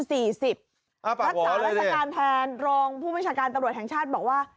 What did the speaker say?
รักษาราชการแทนรองผู้บัญชาการตำรวจแห่งชาติบอกว่า